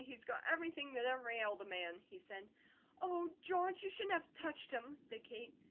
He's got everything that ever ailed a man!" he said. "Oh, George, you shouldn't have touched him," said Kate.